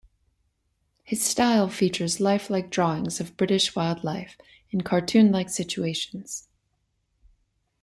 His style features lifelike drawings of British wildlife, in cartoon-like situations.